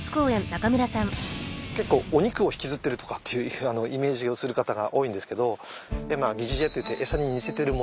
結構お肉を引きずってるとかっていうイメージをする方が多いんですけど疑似餌といって餌に似せてるもの。